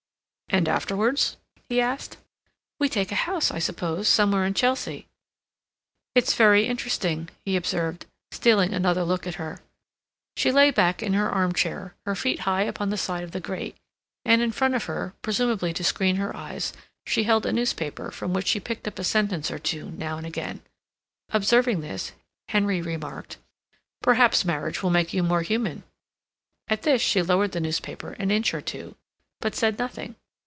"And afterwards?" he asked. "We take a house, I suppose, somewhere in Chelsea." "It's very interesting," he observed, stealing another look at her. She lay back in her arm chair, her feet high upon the side of the grate, and in front of her, presumably to screen her eyes, she held a newspaper from which she picked up a sentence or two now and again. Observing this, Henry remarked: "Perhaps marriage will make you more human." At this she lowered the newspaper an inch or two, but said nothing.